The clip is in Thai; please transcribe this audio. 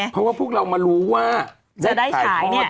เพราะว่าพวกเรามารู้ว่าจะได้ชัย